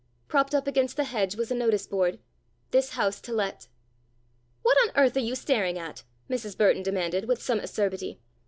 Propped up against the hedge was a notice board: "This House to Let." "What on earth are you staring at?" Mrs. Burton demanded, with some acerbity.